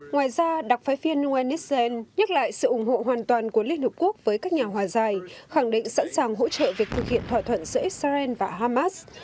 ngoài ra đặc phái viên nuen nissan nhắc lại sự ủng hộ hoàn toàn của liên hợp quốc với các nhà hòa giải khẳng định sẵn sàng hỗ trợ việc thực hiện thỏa thuận giữa israel và hamas